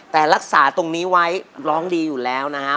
แต่รักษาตรงนี้ไว้ร้องดีอยู่แล้วนะครับ